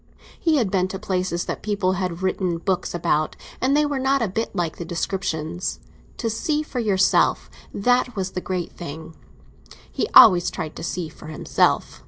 He had been to places that people had written books about, and they were not a bit like the descriptions. To see for yourself—that was the great thing; he always tried to see for himself.